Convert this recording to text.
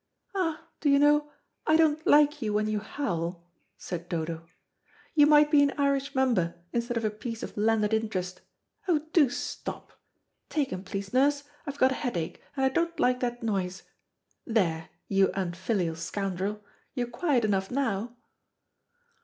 "Ah, do you know, I don't like you when you howl," said Dodo; "you might be an Irish member instead of a piece of landed interest. Oh, do stop. Take him please, nurse; I've got a headache, and I don't like that noise. There, you unfilial scoundrel, you're quiet enough now."